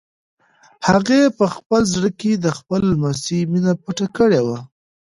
هغې په خپل زړه کې د خپل لمسي مینه پټه کړې وه.